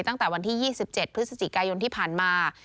ตั้งแต่วันที่๒๗พฤศจิกายนที่ผ่านมา